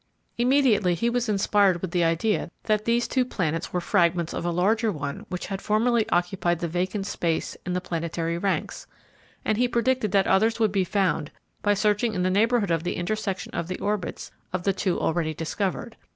Immediately he was inspired with the idea that these two planets were fragments of a larger one which had formerly occupied the vacant place in the planetary ranks, and he predicted that others would be found by searching in the neighborhood of the intersection of the orbits of the two already discovered.